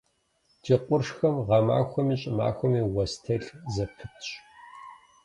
Ди къуршхэм гъэмахуэми щӏымахуэми уэс телъ зэпытщ.